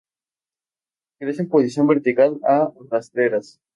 Crecen en posición vertical a rastreras.